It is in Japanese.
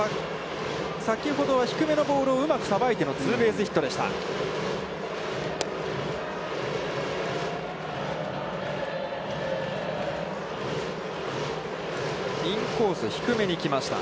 先ほどは低めのボールをうまくさばいてのツーベースヒットでした。